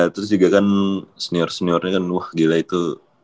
terus juga kan senior seniornya kan wah gila itu